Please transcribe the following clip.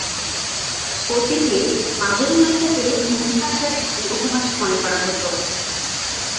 অতীতে মাগধী ভাষাকে হিন্দি ভাষার একটি উপভাষা মনে করা হত।